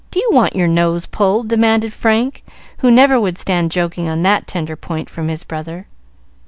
"Do you want your nose pulled?" demanded Frank, who never would stand joking on that tender point from his brother.